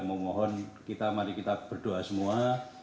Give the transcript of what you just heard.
saya mau mohon kita mari kita berdoa semua